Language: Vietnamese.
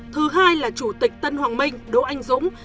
thứ hai là chủ tịch tân hoàng minh đỗ anh dũng